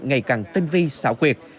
ngày càng tinh vi xạo quyệt